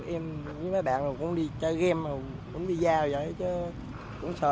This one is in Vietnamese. em với mấy bạn cũng đi chơi game cũng đi giao cũng sợ